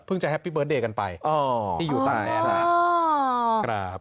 เพิ่งจะแฮปปี้เบิร์นเดย์กันไปที่อยู่ตรงนั้นนะครับ